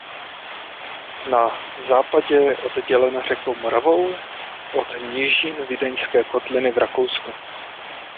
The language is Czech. Na západě je oddělen řekou Moravou od nížin Vídeňské kotliny v Rakousku.